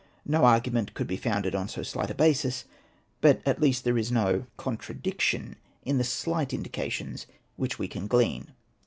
No argument could be founded on so slight a basis ; but at least there is no contra Hosted by Google REMARKS 141 diction in the slight indications which we can glean.